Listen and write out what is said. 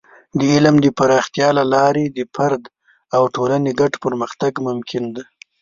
د علم د پراختیا له لارې د فرد او ټولنې ګډ پرمختګ ممکن دی.